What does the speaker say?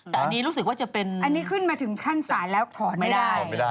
แต่อันนี้รู้สึกว่าจะเป็นอันนี้ขึ้นมาถึงขั้นศาลแล้วถอนไม่ได้